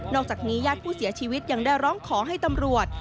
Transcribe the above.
อกจากนี้ญาติผู้เสียชีวิตยังได้ร้องขอให้ตำรวจ